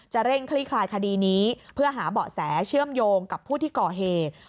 เร่งคลี่คลายคดีนี้เพื่อหาเบาะแสเชื่อมโยงกับผู้ที่ก่อเหตุ